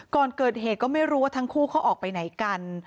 ก่อนเกิดเหตุก็ไม่รู้ว่าทั้งคู่เขาออกไปไหนกัน